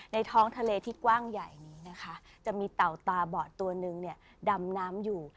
ท้องทะเลที่กว้างใหญ่นี้นะคะจะมีเต่าตาบอดตัวนึงเนี่ยดำน้ำอยู่